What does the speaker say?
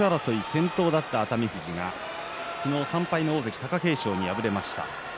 先頭だった熱海富士が昨日、３敗の大関貴景勝に敗れました。